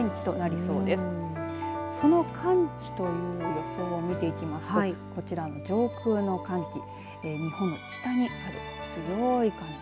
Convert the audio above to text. その寒気という予想見ていきますとこちら、上空の寒気日本の北にある強い寒気。